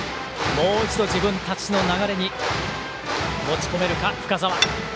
もう一度自分たちの流れに持ち込めるか深沢。